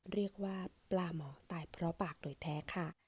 เรียกว่าปลาหมอตายเพราะปาก